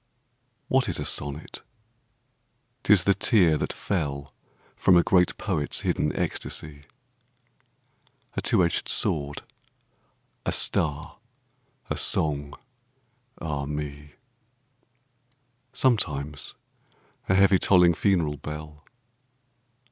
What is a sonnet ? 'T is the tear that fell From a great poet's hidden ecstasy ; A two edged sword, a star, a song — ah me I Sometimes a heavy tolling funeral bell.